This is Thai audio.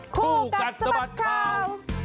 คู่กัดสะบัดข่าว